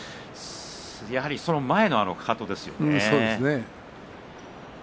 やはり、その前のかかとですね。